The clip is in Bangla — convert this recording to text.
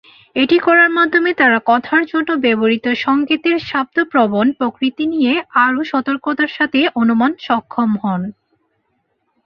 এটি করার মাধ্যমে তারা কথার জন্য ব্যবহৃত সংকেতের শাব্দ-প্রবণ প্রকৃতি নিয়ে আরও সতর্কতার সাথে অনুমান সক্ষম হন।